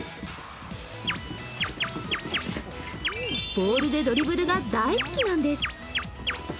ボールでドリブルが大好きなんです。